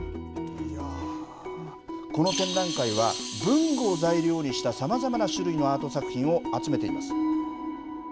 この展覧会は文具を材料にしたさまざまな種類のアート作品を集めています。